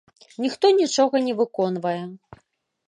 Ніхто нічога не выконвае.